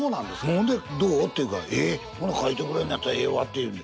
ほんでどう？って言うからえっほな書いてくれるんやったらええわっていうんで。